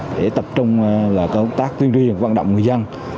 để tập trung là công tác tuyên truyền vận động người dân